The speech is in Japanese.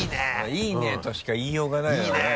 いいねとしか言いようがないよねいいね！